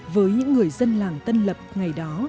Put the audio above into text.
với những người dân làng tân lập ngày đó